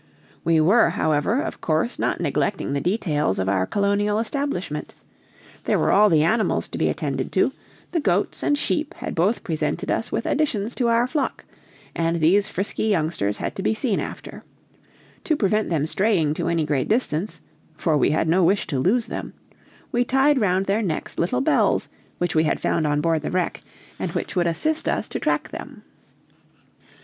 We were, however, of course not neglecting the details of our colonial establishment. There were all the animals to be attended to; the goats and sheep had both presented us with additions to our flock, and these frisky youngsters had to be seen after; to prevent them straying to any great distance for we had no wish to lose them we tied round their necks little bells, which we had found on board the wreck, and which would assist us to track them.